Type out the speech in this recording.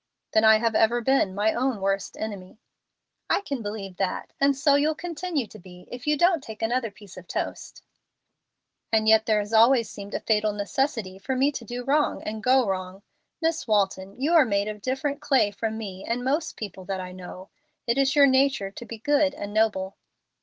"Then I have ever been my own worst enemy." "I can believe that, and so you'll continue to be if you don't take another piece of toast." "And yet there has always seemed a fatal necessity for me to do wrong and go wrong. Miss Walton, you are made of different clay from me and most people that I know. It is your nature to be good and noble."